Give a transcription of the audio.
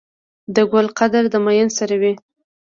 د ګل قدر د ميئن سره وي.